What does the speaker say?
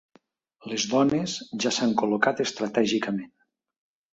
Les dones ja s'han col·locat estratègicament.